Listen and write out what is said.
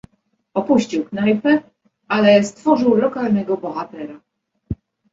"Opuścił knajpę, ale stworzył lokalnego bohatera."